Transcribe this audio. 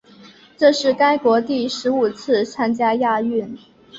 这是该国第十五次参加亚运。